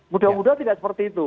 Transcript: mudah mudahan tidak seperti itu